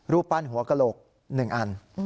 รูปปั้นหัวกระโหลก๑อัน